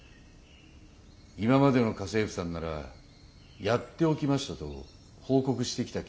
今までの家政婦さんならやっておきましたと報告してきた気がします。